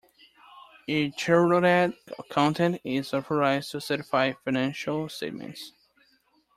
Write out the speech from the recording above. A chartered accountant is authorised to certify financial statements